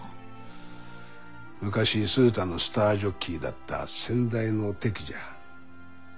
昔鈴田のスタージョッキーだった先代のテキじゃ。